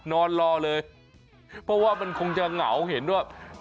นอนรอเลยเพราะว่ามันคงจะเหงาเห็นว่า